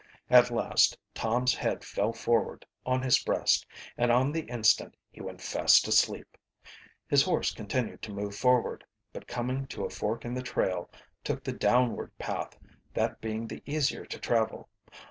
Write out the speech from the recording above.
At last Tom's head fell forward on his breast, and on the instant he went fast asleep. His horse continued to move forward, but coming to a fork in the trail, took the downward path, that being the easier to travel.